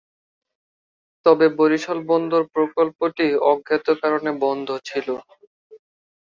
তবে বরিশাল বন্দর প্রকল্পটি অজ্ঞাত কারণে বন্ধ ছিল।